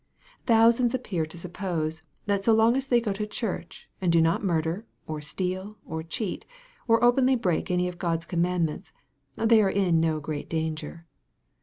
Thousands appear to sup pose, that so long as they go to church, and do not murder, or steal, or cheat, or openly break any of God's commandments, they are in no great danger.